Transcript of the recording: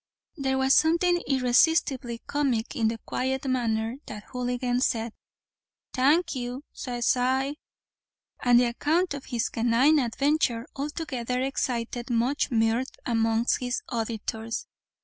There was something irresistibly comic in the quiet manner that Houligan said, "Thank you, says I;" and the account of his canine adventure altogether excited much mirth amongst his auditors.